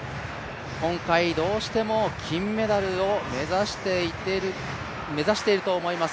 今回どうしても金メダルを目指していると思います。